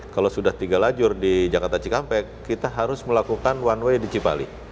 kalau sudah tiga lajur di jakarta cikampek kita harus melakukan one way di cipali